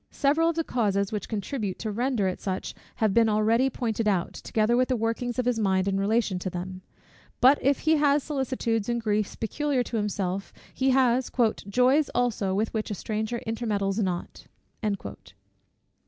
Several of the causes which contribute to render it such have been already pointed out, together with the workings of his mind in relation to them: but if he has solicitudes and griefs peculiar to himself, he has "joys also with which a stranger intermeddles not."